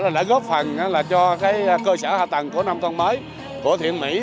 đã góp phần cho cơ sở hạ tầng của nông thôn mới của thiện mỹ